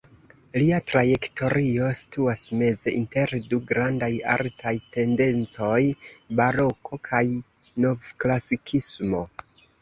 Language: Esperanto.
Lia trajektorio situas meze inter du grandaj artaj tendencoj: baroko kaj novklasikismo.